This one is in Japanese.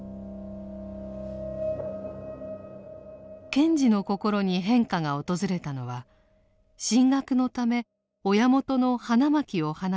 賢治の心に変化が訪れたのは進学のため親元の花巻を離れ